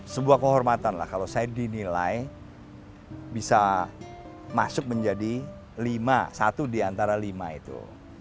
sebuah kehormatan lah kalau saya dinilai bisa masuk menjadi lima satu di antara lima itu